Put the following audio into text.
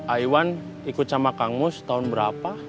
ai wan ikut sama kang mus tahun berapa